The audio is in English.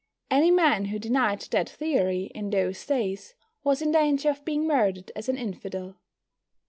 Any man who denied that theory in those days was in danger of being murdered as an Infidel.